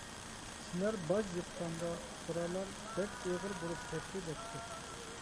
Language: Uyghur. سىلەر باج يىغقاندا پۇقرالار بەك ئېغىر بولۇپ كەتتى دەپتۇ.